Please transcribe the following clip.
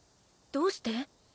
どうして？